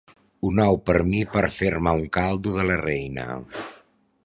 Un ou per mi per fer-me un caldo de la reina.